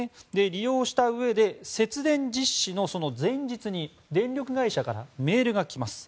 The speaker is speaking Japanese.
利用したうえで節電実施の前日に電力会社からメールが来ます。